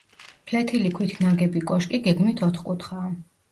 ფლეთილი ქვით ნაგები კოშკი გეგმით ოთხკუთხაა.